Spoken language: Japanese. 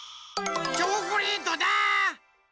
チョコレートだ！